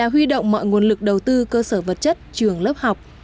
huy động mọi nguồn lực đầu tư cơ sở vật chất trường lớp học